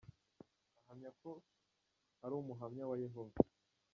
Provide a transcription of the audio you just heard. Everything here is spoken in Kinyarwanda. Ahamya ko ari umuhamya wa Yehova.